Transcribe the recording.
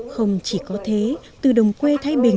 không chỉ có thế từ đồng quê thái bình